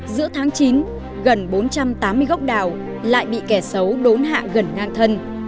giữa tháng chín gần bốn trăm tám mươi gốc đào lại bị kẻ xấu đốn hạ gần ngang thân